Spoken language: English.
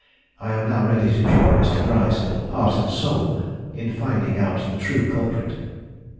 I am now ready to join Mr. Gryce, heart and soul, in finding out the true culprit."